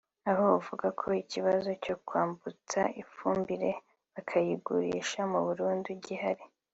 aho avuga ko ikibazo cyo kwambutsa ifumbire bakayigurisha mu Burundi gihari